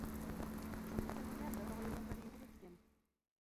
Sortu zen unean berrogei egunkari inguruan ziren.